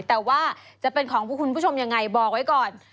แต่ว่าจะเป็นของพวกคุณผู้ชมยังไงบอกไว้ก่อน